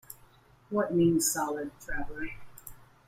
What Means Solid, Traveller?